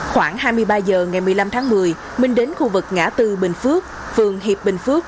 khoảng hai mươi ba h ngày một mươi năm tháng một mươi minh đến khu vực ngã tư bình phước phường hiệp bình phước